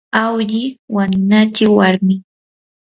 awlli wanunachi warmin.